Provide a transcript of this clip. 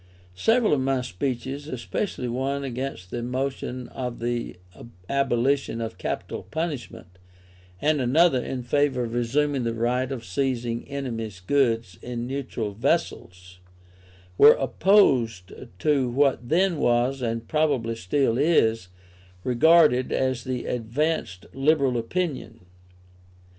Several of my speeches, especially one against the motion for the abolition of capital punishment, and another in favour of resuming the right of seizing enemies' goods in neutral vessels, were opposed to what then was, and probably still is, regarded as the advanced liberal opinion.